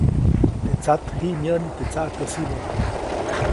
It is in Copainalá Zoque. Teʼ tsat ji myäʼni teʼ tsaʼkäsibä.